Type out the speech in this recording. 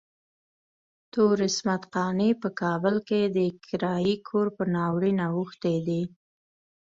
تور عصمت قانع په کابل کې د کرايي کور په ناورين اوښتی دی.